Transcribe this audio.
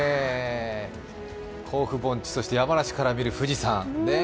甲府盆地、そして山梨から見る富士山。